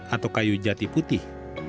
atau kayu jati putih